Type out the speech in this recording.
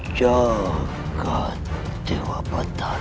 jaga dewa pahlawan